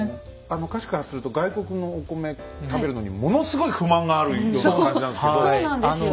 歌詞からすると外国のお米食べるのにものすごい不満があるような感じなんですけど。